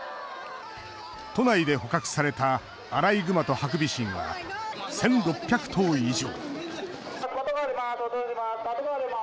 都内で捕獲されたアライグマとハクビシンは１６００頭以上。